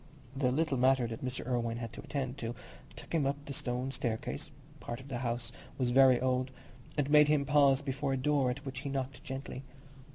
The little matter that Mr. Irwine had to attend to took him up the old stone staircase (part of the house was very old) and made him pause before a door at which he knocked gently.